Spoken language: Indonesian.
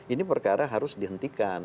ini perkara harus dihentikan